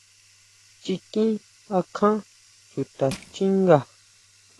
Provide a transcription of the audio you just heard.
Chiquín akján chuta xchínga.